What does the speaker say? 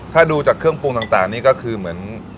ถ้าดูจากเครื่องปรุงต่างนี่ก็คือเหมือน